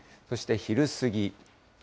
そして昼過ぎ。